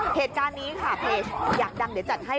เหตุการณ์นี้ค่ะเพจอยากดังเดี๋ยวจัดให้